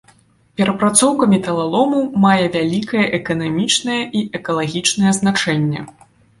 Перапрацоўка металалому мае вялікае эканамічнае і экалагічнае значэнне.